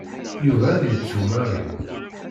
Yuba ad yettu Mary.